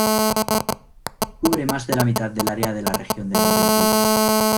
Cubre más de la mitad del área de la región de Laurentides.